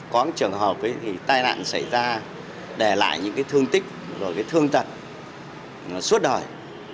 có trường hợp thì tai nạn xảy ra để lại những thương tích và thương tật suốt đời